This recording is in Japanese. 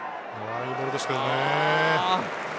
いいボールですけどね。